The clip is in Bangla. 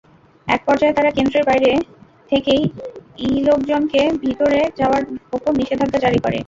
একপর্যায়ে তারা কেন্দ্রের বাইরে থেকেইলোকজনকে ভেতরে যাওয়ার ওপর নিষেধাজ্ঞা জারি করে।